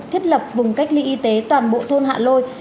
thiết lập vùng cách ly y tế toàn bộ thôn hạ lôi